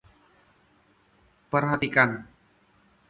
Perhatikan.